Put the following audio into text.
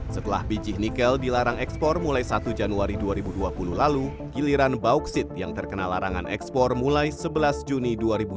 setelah biji nikel dilarang ekspor mulai satu januari dua ribu dua puluh lalu giliran bauksit yang terkena larangan ekspor mulai sebelas juni dua ribu dua puluh